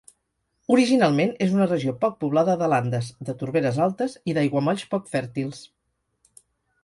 Originalment, és una regió poc poblada de landes, de torberes altes i d'aiguamolls poc fèrtils.